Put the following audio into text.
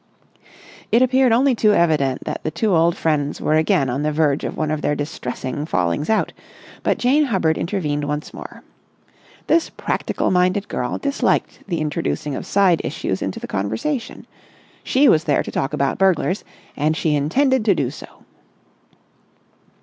It appeared only too evident that the two old friends were again on the verge of one of their distressing fallings out; but Jane Hubbard intervened once more. This practical minded girl disliked the introducing of side issues into the conversation. She was there to talk about burglars, and she intended to do so.